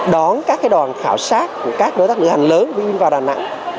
đón các đoàn khảo sát của các đối tác nữ hành lớn của philippines vào đà nẵng